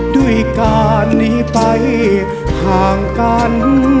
ด้วยการหนีไปห่างกัน